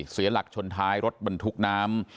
เสียหลักชนท้ายรถบรรทุกน้ำ